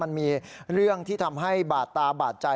มันมีเรื่องที่ทำให้บาดตาบาดใจ